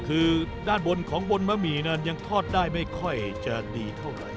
คือด้านบนของบนมะหมี่นั้นยังทอดได้ไม่ค่อยจะดีเท่าไหร่